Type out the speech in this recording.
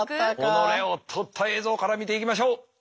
己を撮った映像から見ていきましょう。